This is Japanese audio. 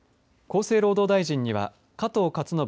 厚生労働大臣には加藤勝信